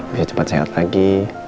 bisa cepat sehat lagi